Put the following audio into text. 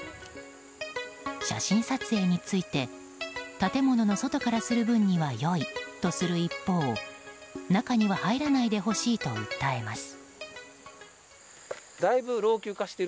写真撮影について建物の外からする分には良いとする一方中には入らないでほしいと訴えます。